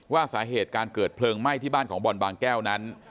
ว่าสาเหตุการเกิดเพลิงไหม้ที่บ้านของบอลบางแก้วนั้น